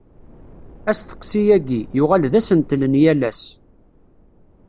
Asteqsi-agi, yuɣal d asentel n yal ass.